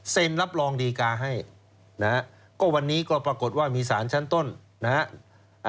รับรองดีการ์ให้นะฮะก็วันนี้ก็ปรากฏว่ามีสารชั้นต้นนะฮะ